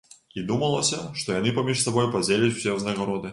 І думалася, што яны паміж сабой падзеляць усё ўзнагароды.